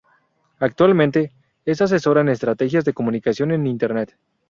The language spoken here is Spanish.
Actualmente, es asesora en Estrategias de Comunicación en Internet.